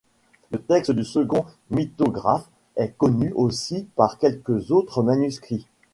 Le texte du Second Mythographe est connu aussi par quelques autres manuscrits.